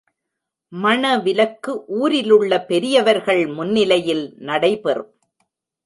மணவிலக்கு ஊரிலுள்ள பெரியவர்கள் முன்னிலையில் நடைபெறும்.